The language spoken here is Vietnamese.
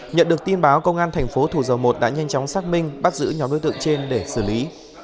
nhận được tin báo công an thành phố thủ dầu một đã nhanh chóng xác minh bắt giữ nhóm đối tượng trên để xử lý